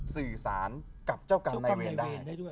สื่อสารกับเจ้ากรรมในเวร